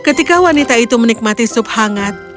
ketika wanita itu menikmati sup hangat